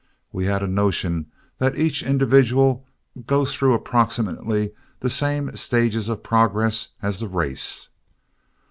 We have a notion that each individual goes through approximately the same stages of progress as the race.